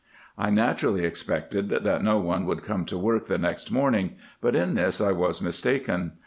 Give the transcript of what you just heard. I naturally expected, that no one would come to work the next morning ; but in this I was mistaken.